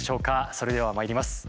それではまいります。